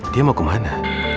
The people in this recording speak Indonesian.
dia mau kemana